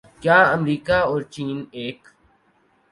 کیا امریکہ اور چین ایک